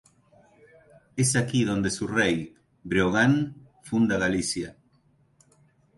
Es aquí donde su rey, Breogán, funda Galicia.